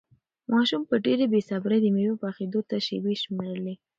ماشوم په ډېرې بې صبري د مېوې پخېدو ته شېبې شمېرلې.